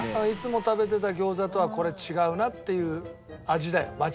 いつも食べてた餃子とはこれ違うなっていう味だよ。